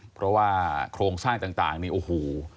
เพราะว่าโครงสร้างต่างนี่โอ้โห